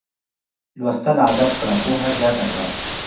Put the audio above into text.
لوستل عادت کړه پوهه زیاته کړه